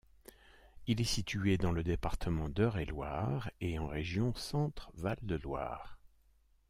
Il est situé dans le département d'Eure-et-Loir et en région Centre-Val de Loire.